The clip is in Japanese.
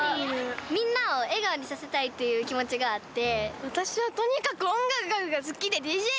みんなを笑顔にさせたいという気持ちがあって。